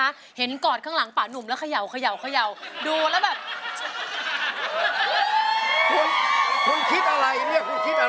มันต้องสูสีอะไรบ้างอ่ะระหว่างที่